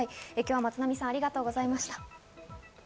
松並さんありがとうございました。